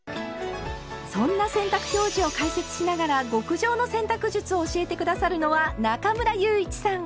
そんな洗濯表示を解説しながら極上の洗濯術を教えて下さるのは中村祐一さん。